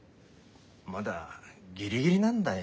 まだギリギリなんだよ。